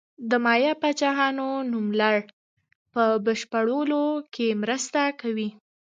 د مایا پاچاهانو نوملړ په بشپړولو کې مرسته کوي.